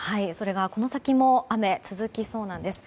この先も雨は続きそうなんです。